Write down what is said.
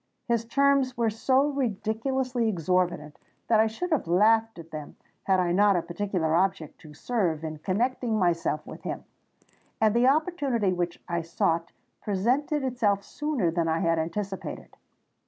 His terms were so ridiculously exorbitant that I should have laughed at them, had I not a particular object to serve in connecting myself with him. And the opportunity which I sought presented itself sooner than I had anticipated.